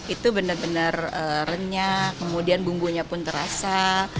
itu benar benar renyah kemudian bumbunya pun terasa